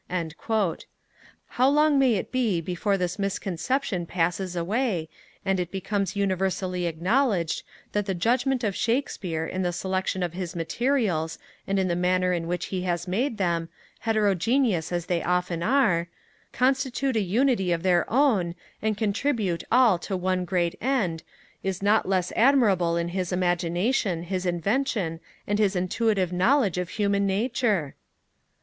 How long may it he before this misconception passes away, and it becomes universally acknowledged that the judgement of Shakespeare in the selection of his materials, and in the manner in which he has made them, heterogeneous as they often are, constitute a unity of their own, and contribute all to one great end, is not less admirable than his imagination, his invention, and his intuitive knowledge of human Nature?